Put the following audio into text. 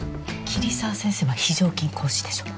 桐沢先生は非常勤講師でしょ。